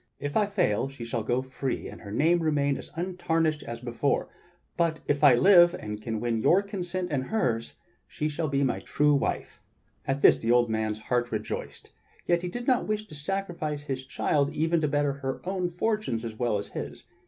If I fail, she shall go free and her name remain as untarnished as before; but if I live, and can win your consent and hers, she shall be my true wife." At this the old man's heart rejoiced, yet he did not wish to sacrifice his child even to better her own fortunes as well as his.